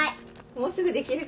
もうすぐできるから。